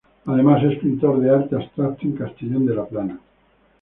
Además es pintor de arte abstracto en Castellón de la Plana.